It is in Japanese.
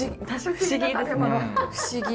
不思議。